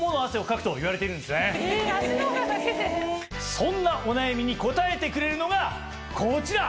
そんなお悩みに答えてくれるのがこちら！